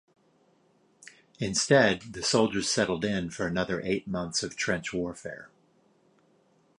Instead, the soldiers settled in for another eight months of trench warfare.